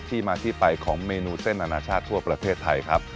ที่มาที่ไปของเมนูเส้นอนาชาติทั่วประเทศไทยครับ